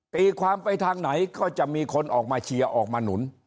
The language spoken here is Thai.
ตีความไปทางไหนก็จะมีคนออกมาเชียร์ออกมาหนุน